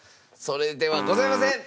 それではございません！